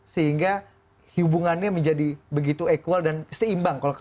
sehingga hubungannya menjadi begitu equal dan seimbang